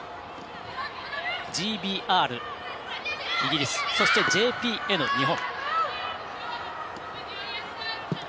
ＧＢＲ、イギリスそしてＪＰＮ、日本。